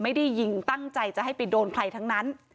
ไม่ได้ยิงตั้งใจจะให้ไปโดนใครทั้งนั้น